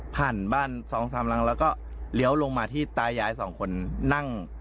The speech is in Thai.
บ้านสองสามหลังแล้วก็เลี้ยวลงมาที่ตายายสองคนนั่ง